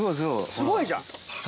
すごいじゃん。